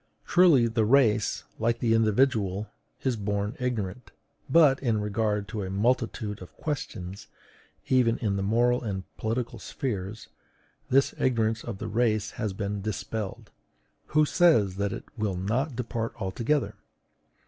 Truly, the race, like the individual, is born ignorant; but, in regard to a multitude of questions, even in the moral and political spheres, this ignorance of the race has been dispelled: who says that it will not depart altogether?